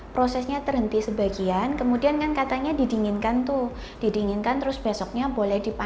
prosesnya terhenti sebagian kemudian kan katanya didinginkan tuh didinginkan terus besoknya boleh dipakai